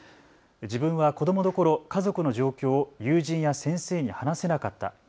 自分は子どものころ家族の状況を友人や先生に話せなかった。